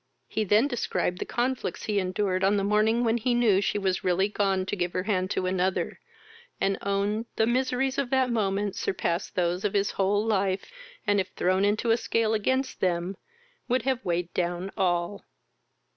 He then described the conflicts he endured on the morning when he knew she was really gone to give her hand to another, and owned the miseries of that moment surpassed those of his whole life, and, if thrown into a scale against them, would have weighed down all.